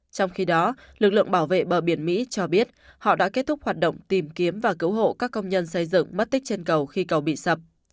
trong khi đó lực lượng bảo vệ bờ biển mỹ cho biết họ đã kết thúc hoạt động tìm kiếm và cứu hộ các công nhân xây dựng mất tích trên cầu khi cầu bị sập